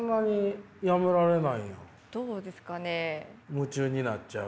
夢中になっちゃう？